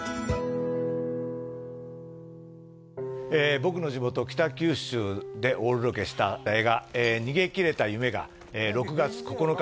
僕の地元北九州でオールロケした映画「逃げきれた夢」が６月９日